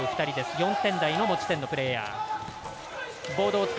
４点台の持ち点のプレーヤー。